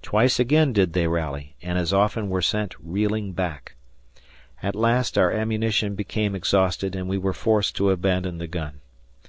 Twice again did they rally and as often were sent reeling back. At last our ammunition became exhausted, and we were forced to abandon the gun.